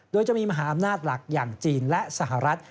โดยจะมีมหาอำนาจหลักอย่างจีนและสหรัฐ